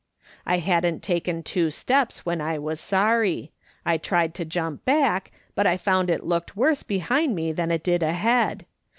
" I hadn't taken two steps when I was sorry. I tried to jump back, but I found it looked worse behind me than it did ahead.